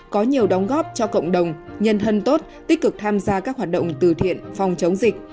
có nhiều đóng góp cho cộng đồng nhân thân tốt tích cực tham gia các hoạt động từ thiện phòng chống dịch